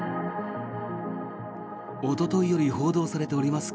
おとといより報道されております